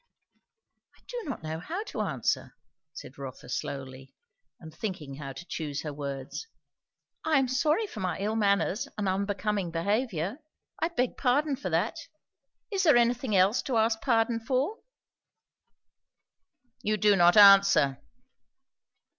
"I do not know how to answer," said Rotha slowly, and thinking how to choose her words. "I am sorry for my ill manners and unbecoming behaviour; I beg pardon for that. Is there anything else to ask pardon for?" "You do not answer."